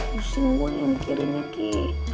busing gue mikirinnya ki